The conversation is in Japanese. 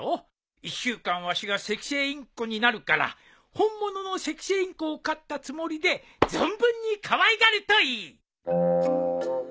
１週間わしがセキセイインコになるから本物のセキセイインコを飼ったつもりで存分にかわいがるといい！